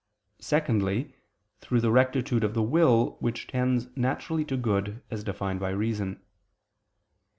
Secondly, through the rectitude of the will which tends naturally to good as defined by reason.